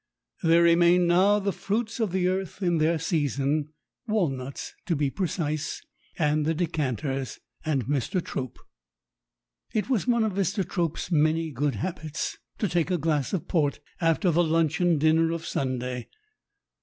There remained now the fruits of the earth in their season walnuts, to be precise and the decanters, and Mr. Trope. It was one of Mr. Trope's many good habits to take a glass of port after the luncheon dinner of Sunday.